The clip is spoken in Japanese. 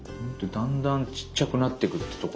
だんだんちっちゃくなってくるってところも。